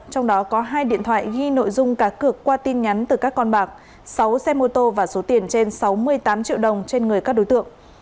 trong đó có hai điện thoại ghi nội dung cá cược qua tin nhắn từ các con bạc sáu xe mô tô và số tiền trên sáu mươi tám triệu đồng trên người các đối tượng